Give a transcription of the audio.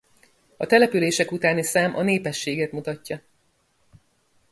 A települések utáni szám a népességet mutatja.